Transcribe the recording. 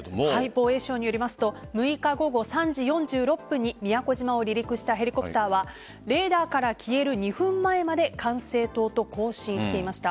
防衛省によりますと６日午後３時４６分に宮古島を離陸したヘリコプターはレーダーから消える２分前まで管制塔と交信していました。